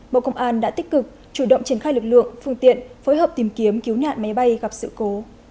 bộ công an đã tích cực chủ động triển khai lực lượng phương tiện phối hợp tìm kiếm cứu nạn máy bay gặp sự cố